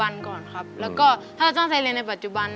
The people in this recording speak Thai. แล้วก็ถ้าตั้งใจเรียนในปัจจุบัน